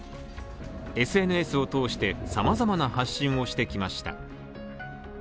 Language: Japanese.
ＳＮＳを通して様々な発信をしてきました。